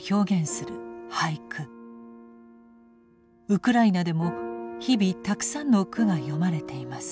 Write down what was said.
ウクライナでも日々たくさんの句が詠まれています。